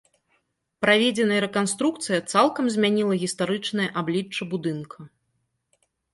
Праведзеная рэканструкцыя цалкам змяніла гістарычнае аблічча будынка.